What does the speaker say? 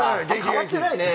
変わってないね。